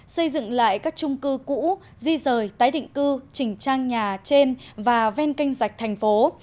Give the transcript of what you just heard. xây dựng lại các trung cư cũ di rời tái định cư chỉnh trang nhà trên và ven canh rạch thành phố